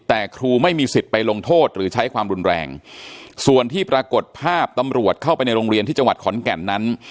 แต่ครูไม่มีสิทธิ์ไปลงโทษหรือใช้ความรุนแรงส่วนที่ปรากฏภาพตำรวจเข้าไปในโรงเรียนที่จังหวัดขอนแก่นนั้น